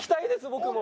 僕も！